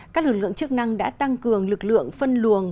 các lực lượng chức năng đã tăng cường lực lượng phân luồng